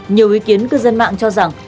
nhiều ý kiến cư dân mạng cho rằng